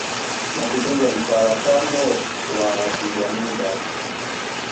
ni Mapinduzi ya mfarakano wa kijamii basi